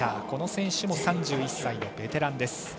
この選手も３１歳のベテラン。